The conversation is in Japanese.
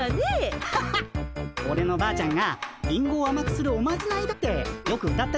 アハハッオレのばあちゃんがリンゴをあまくするおまじないだってよく歌ってたんすよね。